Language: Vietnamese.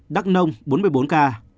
đắk nông bốn mươi bốn ca